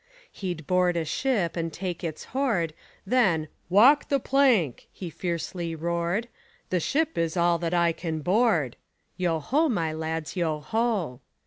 He'd board a ship and take its hoard, Then: "Walk the plank!" he fiercely roared, "The ship is all that I can board," Yo ho, my lads, yo ho!